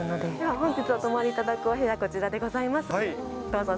本日お泊まりいただくお部屋はこちらでございます。